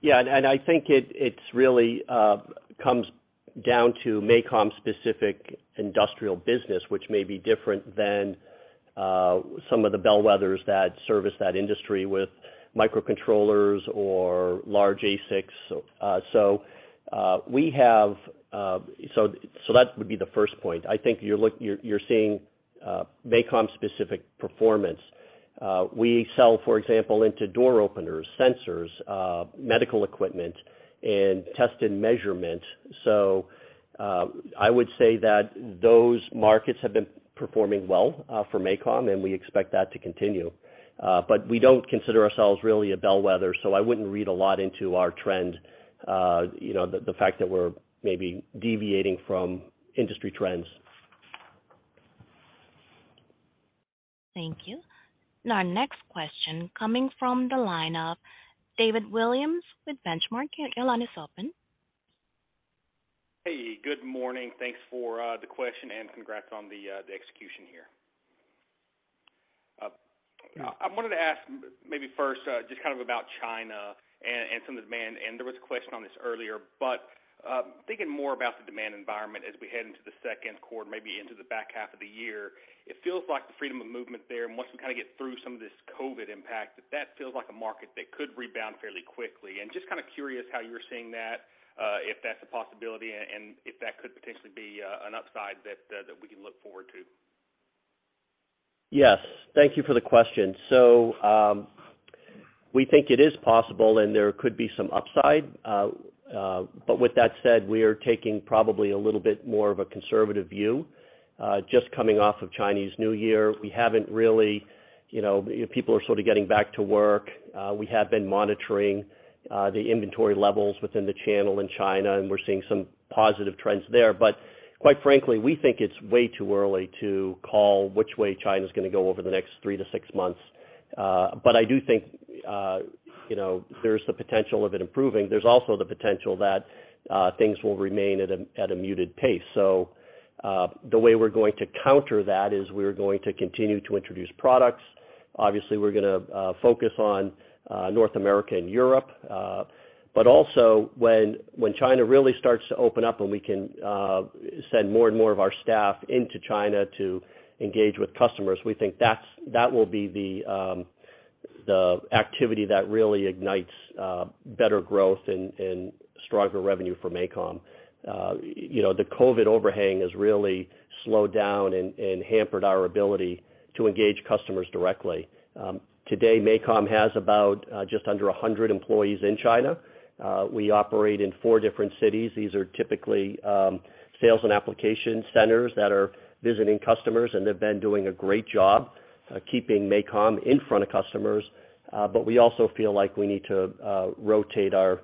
I think it's really comes down to MACOM's specific industrial business, which may be different than some of the bellwethers that service that industry with microcontrollers or large ASICs. That would be the first point. I think you're seeing MACOM-specific performance. We sell, for example, into door openers, sensors, medical equipment, and test and measurement. I would say that those markets have been performing well for MACOM, and we expect that to continue. We don't consider ourselves really a bellwether, so I wouldn't read a lot into our trend. You know, the fact that we're maybe deviating from industry trends. Thank you. Our next question coming from the line of David Williams with Benchmark. Your line is open. Hey, good morning. Thanks for the question, and congrats on the execution here. I wanted to ask maybe first just kind of about China and some of the demand, and there was a question on this earlier. Thinking more about the demand environment as we head into the second quarter, maybe into the back half of the year, it feels like the freedom of movement there, and once we kinda get through some of this COVID impact, that feels like a market that could rebound fairly quickly. Just kinda curious how you're seeing that, if that's a possibility and if that could potentially be an upside that we can look forward to. Yes. Thank you for the question. We think it is possible, and there could be some upside. With that said, we are taking probably a little bit more of a conservative view. Just coming off of Chinese New Year, we haven't really, you know, people are sort of getting back to work. We have been monitoring the inventory levels within the channel in China, and we're seeing some positive trends there. Quite frankly, we think it's way too early to call which way China's gonna go over the next three to six months. I do think, you know, there's the potential of it improving. There's also the potential that things will remain at a muted pace. The way we're going to counter that is we're going to continue to introduce products. Obviously, we're gonna focus on North America and Europe. Also, when China really starts to open up and we can send more and more of our staff into China to engage with customers, we think that will be the activity that really ignites better growth and stronger revenue for MACOM. You know, the COVID overhang has really slowed down and hampered our ability to engage customers directly. Today, MACOM has about just under 100 employees in China. We operate in four different cities. These are typically sales and application centers that are visiting customers, and they've been doing a great job keeping MACOM in front of customers. We also feel like we need to rotate our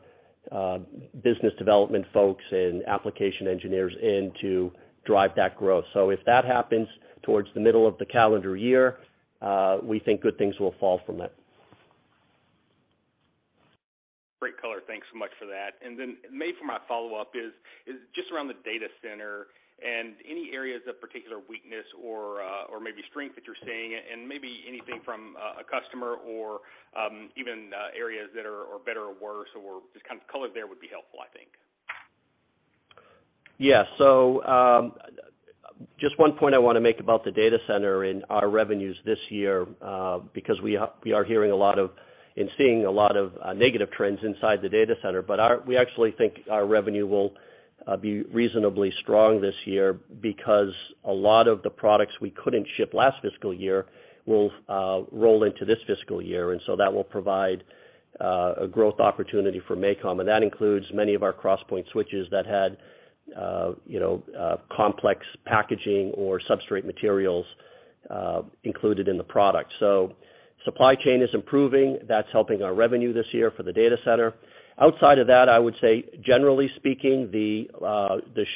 business development folks and application engineers in to drive that growth. If that happens towards the middle of the calendar year, we think good things will fall from it. Great color. Thanks so much for that. Maybe for my follow-up is just around the data center and any areas of particular weakness or maybe strength that you're seeing, and maybe anything from a customer or, even, areas that are better or worse, or just kind of color there would be helpful, I think. Yeah. Just one point I wanna make about the data center and our revenues this year, because we are, we are hearing a lot of and seeing a lot of, negative trends inside the data center. We actually think our revenue will be reasonably strong this year because a lot of the products we couldn't ship last fiscal year will roll into this fiscal year. That will provide a growth opportunity for MACOM, and that includes many of our crosspoint switches that had, you know, complex packaging or substrate materials, included in the product. Supply chain is improving. That's helping our revenue this year for the data center. Outside of that, I would say generally speaking, the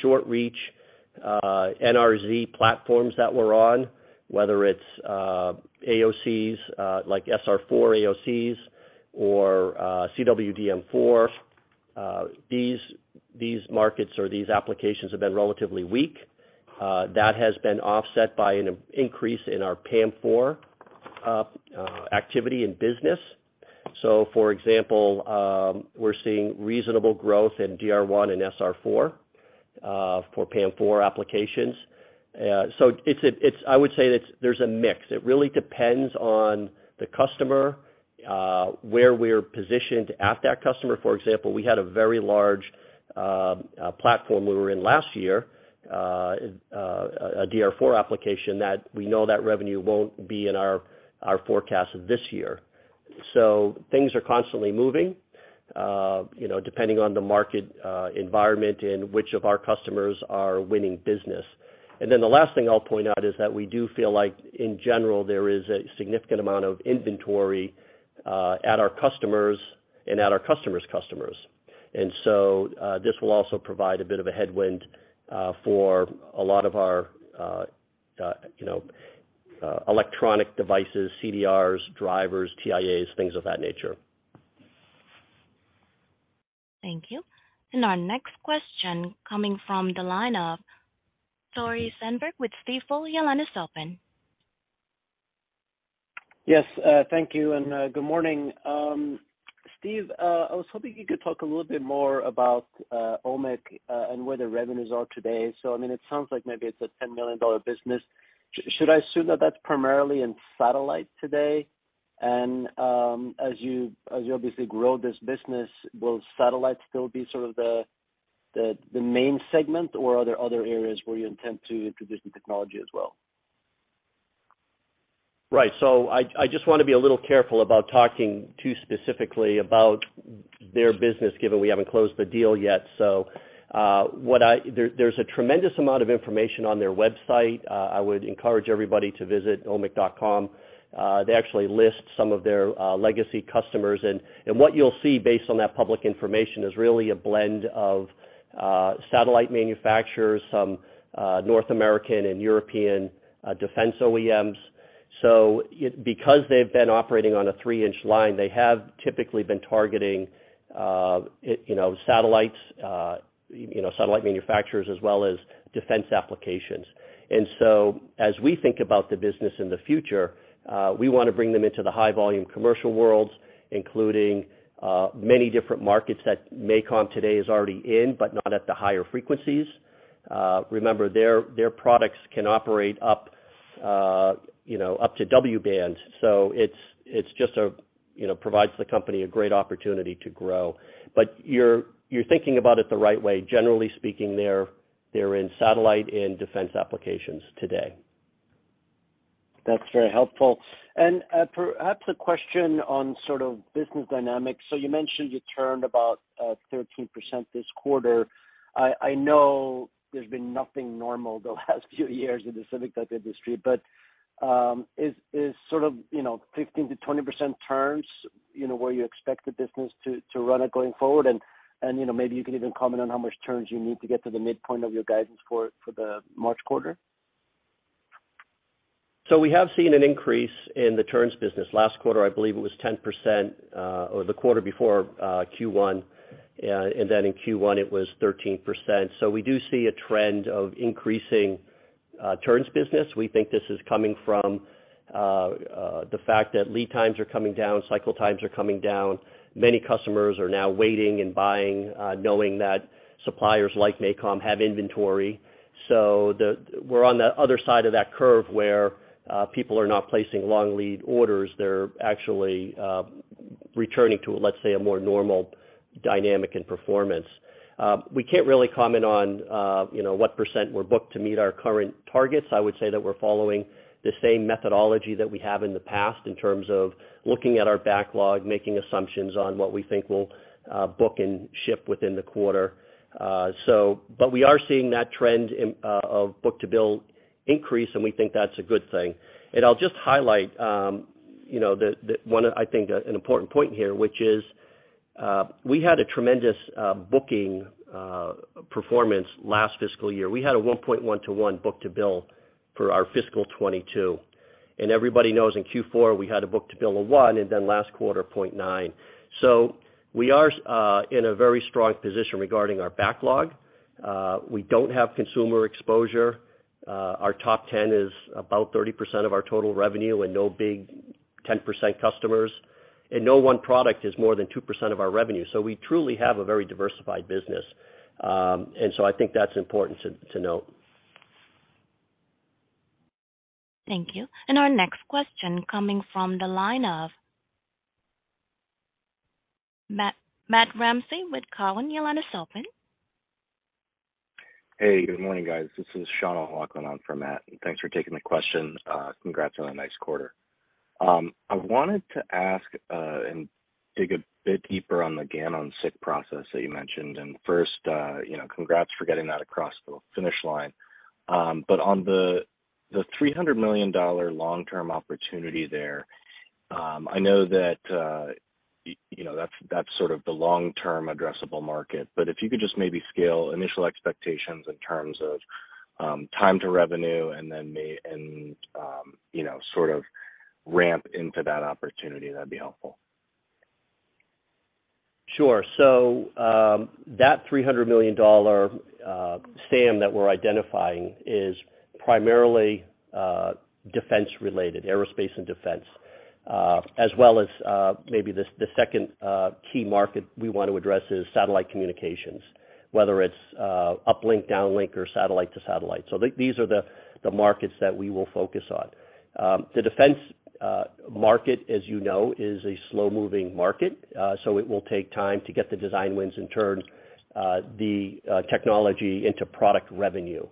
short reach NRZ platforms that we're on, whether it's AOCs, like SR4 AOCs or CWDM4, these markets or these applications have been relatively weak. That has been offset by an increase in our PAM4 activity and business. For example, we're seeing reasonable growth in DR1 and SR4 for PAM4 applications. I would say there's a mix. It really depends on the customer, where we're positioned at that customer. For example, we had a very large platform we were in last year, a DR4 application that we know that revenue won't be in our forecast this year. Things are constantly moving, you know, depending on the market environment and which of our customers are winning business. The last thing I'll point out is that we do feel like, in general, there is a significant amount of inventory at our customers and at our customers' customers. This will also provide a bit of a headwind for a lot of our, you know, electronic devices, CDRs, drivers, TIAs, things of that nature. Thank you. Our next question coming from the line of Tore Svanberg with Stifel. Your line is open. Yes, thank you and good morning. Steve, I was hoping you could talk a little bit more about OMMIC and where the revenues are today. I mean, it sounds like maybe it's a $10 million business. Should I assume that that's primarily in satellite today? As you obviously grow this business, will satellite still be sort of the main segment or are there other areas where you intend to introduce the technology as well? Right. I just wanna be a little careful about talking too specifically about their business given we haven't closed the deal yet. There's a tremendous amount of information on their website. I would encourage everybody to visit ommic.com. They actually list some of their legacy customers. What you'll see based on that public information is really a blend of satellite manufacturers, some North American and European defense OEMs. Because they've been operating on a three-inch line, they have typically been targeting, you know, satellites, you know, satellite manufacturers as well as defense applications. As we think about the business in the future, we wanna bring them into the high volume commercial worlds, including many different markets that MACOM today is already in, but not at the higher frequencies. Remember their products can operate up, you know, up to W-band. It's just a, you know, provides the company a great opportunity to grow. You're thinking about it the right way. Generally speaking, they're in satellite and defense applications today. That's very helpful. Perhaps a question on sort of business dynamics. You mentioned you turned about 13% this quarter. I know there's been nothing normal the last few years in the semiconductor industry, but is sort of, you know, 15%-20% turns, you know, where you expect the business to run it going forward? Maybe you can even comment on how much turns you need to get to the midpoint of your guidance for the March quarter. We have seen an increase in the turns business. Last quarter, I believe it was 10%, or the quarter before, Q1. In Q1 it was 13%. We do see a trend of increasing turns business. We think this is coming from the fact that lead times are coming down, cycle times are coming down. Many customers are now waiting and buying, knowing that suppliers like MACOM have inventory. We're on the other side of that curve where people are not placing long lead orders. They're actually returning to, let's say, a more normal dynamic and performance. We can't really comment on, you know, what percent we're booked to meet our current targets. I would say that we're following the same methodology that we have in the past in terms of looking at our backlog, making assumptions on what we think will book and ship within the quarter. We are seeing that trend in of book-to-bill increase, and we think that's a good thing. I'll just highlight, you know, the one, I think an important point here, which is, we had a tremendous booking performance last fiscal year. We had a 1.1 to 1 book-to-bill for our fiscal 2022, and everybody knows in Q4, we had a book-to-bill of one, and then last quarter 0.9. We are in a very strong position regarding our backlog. We don't have consumer exposure. Our top 10 is about 30% of our total revenue and no big 10% customers. No one product is more than 2% of our revenue. We truly have a very diversified business. I think that's important to note. Thank you. Our next question coming from the line of Matt, Matthew Ramsay with Cowen. Your line is open. Hey, good morning, guys. This is Sean O'Loughlin on for Matt, and thanks for taking the question. Congrats on a nice quarter. I wanted to ask, and dig a bit deeper on the GaN on SiC process that you mentioned. First, you know, congrats for getting that across the finish line. On the $300 million long-term opportunity there, I know that you know, that's sort of the long-term addressable market. If you could just maybe scale initial expectations in terms of time to revenue and then, you know, sort of ramp into that opportunity, that'd be helpful. Sure. That $300 million SAM that we're identifying is primarily defense related, aerospace and defense, as well as maybe the second key market we want to address is satellite communications, whether it's uplink, downlink, or satellite to satellite. These are the markets that we will focus on. The defense market, as you know, is a slow-moving market, it will take time to get the design wins and turn the technology into product revenue.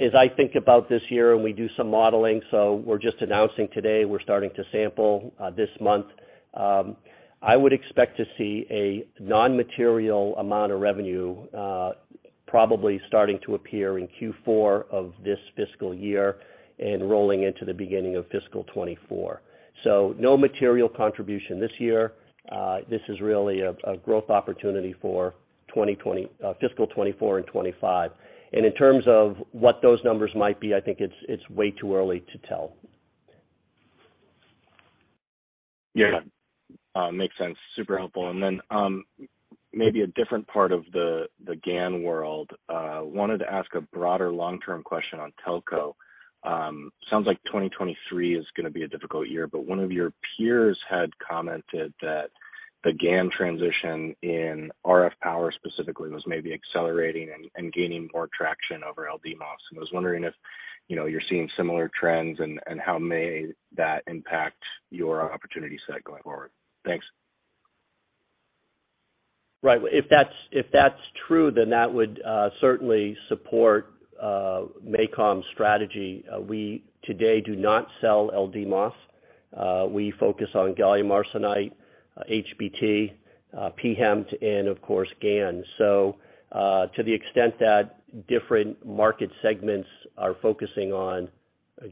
As I think about this year and we do some modeling, we're just announcing today we're starting to sample this month, I would expect to see a non-material amount of revenue probably starting to appear in Q4 of this fiscal year and rolling into the beginning of fiscal 2024. No material contribution this year. This is really a growth opportunity for fiscal 2024 and 2025. In terms of what those numbers might be, I think it's way too early to tell. Yeah. makes sense. Super helpful. Maybe a different part of the GaN world, wanted to ask a broader long-term question on telco. Sounds like 2023 is gonna be a difficult year, but one of your peers had commented that the GaN transition in RF power specifically was maybe accelerating and gaining more traction over LDMOS. I was wondering if, you know, you're seeing similar trends and how may that impact your opportunity set going forward. Thanks. Right. If that's true, then that would certainly support MACOM's strategy. We today do not sell LDMOS. We focus on gallium arsenide, HBT, pHEMT, and of course, GaN. To the extent that different market segments are focusing on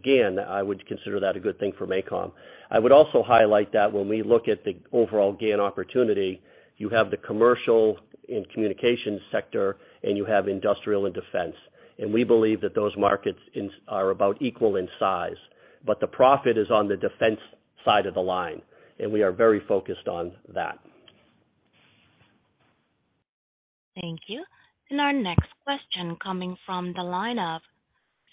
GaN, I would consider that a good thing for MACOM. I would also highlight that when we look at the overall GaN opportunity, you have the commercial and communications sector, and you have industrial and defense. We believe that those markets are about equal in size, but the profit is on the defense side of the line, and we are very focused on that. Thank you. Our next question coming from the line of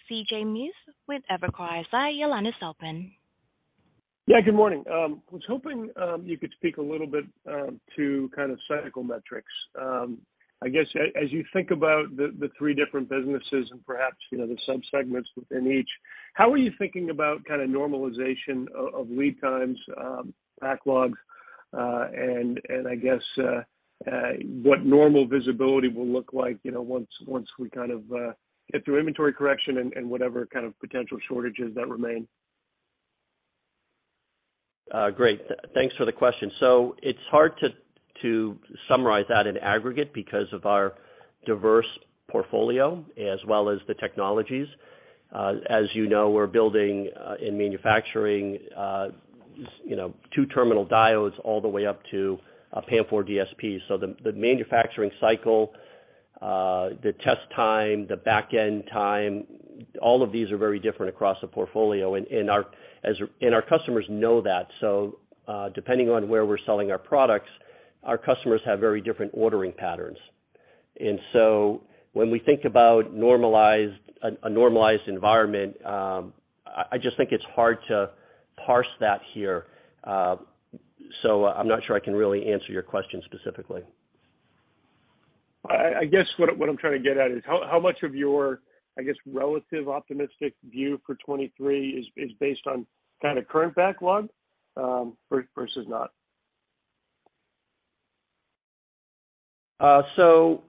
C.J. Muse with Evercore. Your line is open. Yeah, good morning. Was hoping, you could speak a little bit to kind of cycle metrics. I guess as you think about the three different businesses and perhaps, you know, the sub-segments within each, how are you thinking about kind of normalization of lead times, backlogs, and I guess what normal visibility will look like, you know, once we kind of get through inventory correction and whatever kind of potential shortages that remain? Great. Thanks for the question. It's hard to summarize that in aggregate because of our diverse portfolio as well as the technologies. As you know, we're building in manufacturing, you know, 2 terminal diodes all the way up to a PAM-4 DSP. The manufacturing cycle, the test time, the back-end time, all of these are very different across the portfolio. And our customers know that. Depending on where we're selling our products, our customers have very different ordering patterns. When we think about normalized... a normalized environment, I just think it's hard to parse that here. I'm not sure I can really answer your question specifically. I guess what I'm trying to get at is how much of your, I guess, relative optimistic view for 2023 is based on kinda current backlog, versus not? So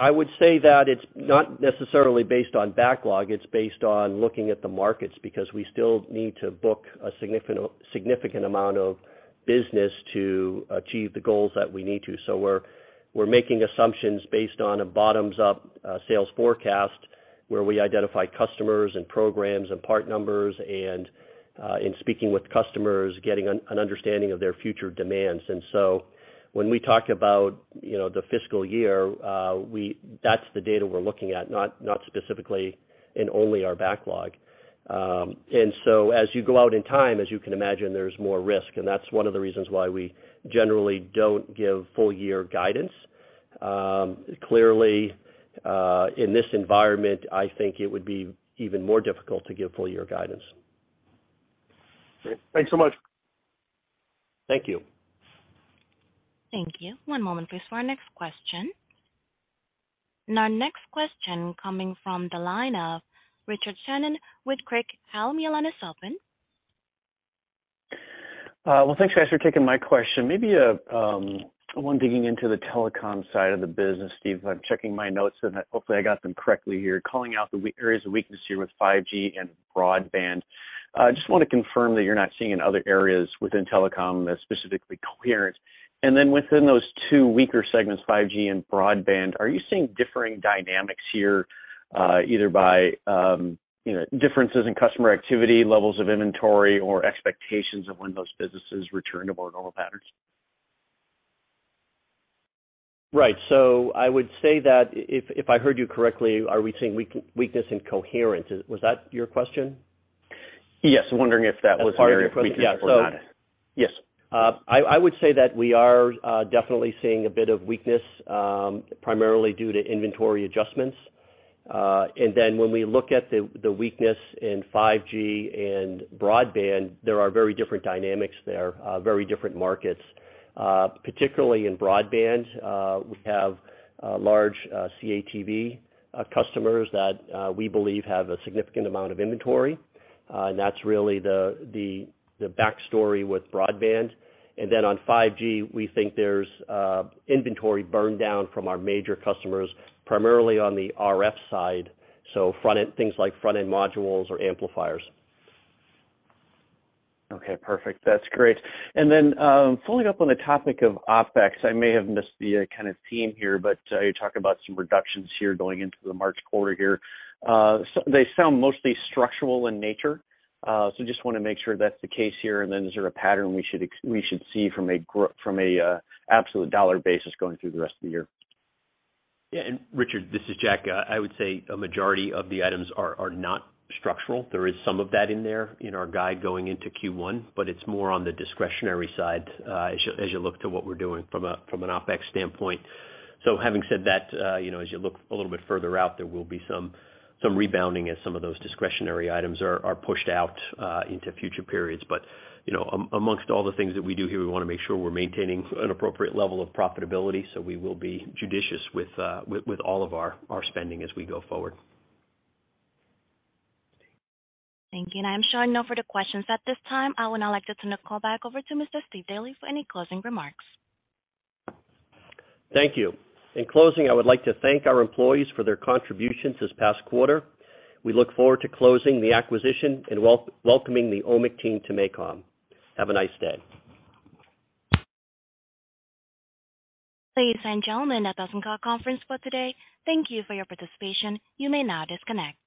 I would say that it's not necessarily based on backlog, it's based on looking at the markets because we still need to book a significant amount of business to achieve the goals that we need to. We're making assumptions based on a bottoms-up sales forecast where we identify customers and programs and part numbers and in speaking with customers, getting an understanding of their future demands. When we talk about, you know, the fiscal year, we that's the data we're looking at, not specifically and only our backlog. As you go out in time, as you can imagine, there's more risk, and that's one of the reasons why we generally don't give full year guidance. Clearly, in this environment, I think it would be even more difficult to give full year guidance. Great. Thanks so much. Thank you. Thank you. One moment please for our next question. Our next question coming from the line of Richard Shannon with Craig-Hallum. Your line is open. Well, thanks, guys, for taking my question. Maybe, one digging into the telecom side of the business, Steve. I'm checking my notes and hopefully I got them correctly here, calling out the areas of weakness here with 5G and broadband. Just wanna confirm that you're not seeing in other areas within telecom, specifically coherence. Within those two weaker segments, 5G and broadband, are you seeing differing dynamics here, either by, you know, differences in customer activity, levels of inventory, or expectations of when those businesses return to more normal patterns? Right. I would say that if I heard you correctly, are we seeing weakness in coherence? Was that your question? Yes. Wondering if that was an area of weakness or not. As part of your question. Yeah. Yes. I would say that we are definitely seeing a bit of weakness, primarily due to inventory adjustments. When we look at the weakness in 5G and broadband, there are very different dynamics there, very different markets. Particularly in broadband, we have large CATV customers that we believe have a significant amount of inventory, and that's really the backstory with broadband. On 5G, we think there's inventory burn down from our major customers, primarily on the RF side, so front-end, things like front-end modules or amplifiers. Okay. Perfect. That's great. Then, following up on the topic of OpEx, I may have missed the kind of theme here, but you talked about some reductions here going into the March quarter here. They sound mostly structural in nature, so just wanna make sure that's the case here. Then, is there a pattern we should see from a absolute dollar basis going through the rest of the year? Yeah. Richard, this is Jack. I would say a majority of the items are not structural. There is some of that in there in our guide going into Q1, but it's more on the discretionary side, as you look to what we're doing from an OpEx standpoint. Having said that, you know, as you look a little bit further out, there will be some rebounding as some of those discretionary items are pushed out into future periods. You know, amongst all the things that we do here, we wanna make sure we're maintaining an appropriate level of profitability, so we will be judicious with all of our spending as we go forward. Thank you. I'm showing no further questions at this time. I would now like to turn the call back over to Mr. Steve Daly for any closing remarks. Thank you. In closing, I would like to thank our employees for their contributions this past quarter. We look forward to closing the acquisition and welcoming the OMMIC team to MACOM. Have a nice day. Ladies and gentlemen, that does end our conference call today. Thank you for your participation. You may now disconnect.